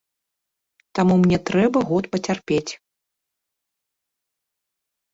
Таму мне трэба год пацярпець.